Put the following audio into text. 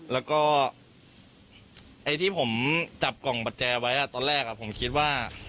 แล้วก็ไอ้ที่ผมจับกล่องประแจไว้ตอนแรกผมคิดว่า